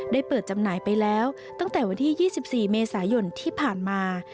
เปิดจำหน่ายไปแล้วตั้งแต่วันที่๒๔เมษายนที่ผ่านมา